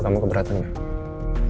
kamu keberatan gak